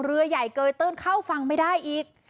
เรือใหญ่เกยตื้นเข้าฝั่งไม่ได้อีก